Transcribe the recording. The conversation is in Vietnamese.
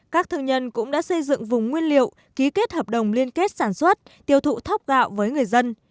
các thương nhân cũng đã xây dựng vùng nguyên liệu ký kết hợp đồng liên kết sản xuất tiêu thụ thóc gạo với người dân